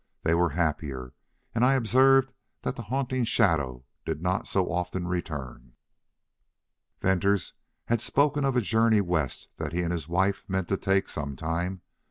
They were happier, and I observed that the haunting shadow did not so often return. "Venters had spoken of a journey west that he and his wife meant to take some time.